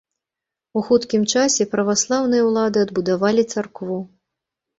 У хуткім часе праваслаўныя ўлады адбудавалі царкву.